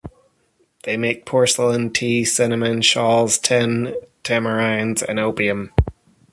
They make porcelain, tea, cinnamon, shawls, tin, tamarinds, and opium.